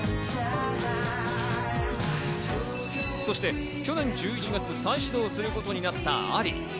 そして去年１１月、再始動することになったＡＬＩ。